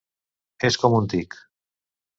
És com un tic.